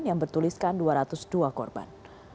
yang bertuliskan dua ratus dua korban